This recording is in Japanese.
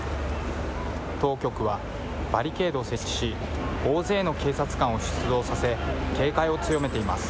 当局は、バリケードを設置し、大勢の警察官を出動させ、警戒を強めています。